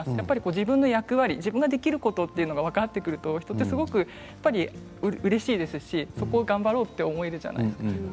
自分の役割できることが分かってくるとすごくうれしいですしそこを頑張ろうと思えるじゃないですか。